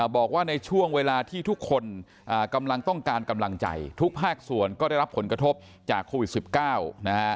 บอกว่าในช่วงเวลาที่ทุกคนกำลังต้องการกำลังใจทุกภาคส่วนก็ได้รับผลกระทบจากโควิด๑๙นะฮะ